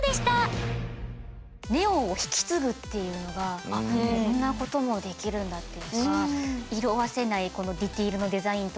ネオンを引き継ぐっていうのがあっこんなこともできるんだっていうかゆねみ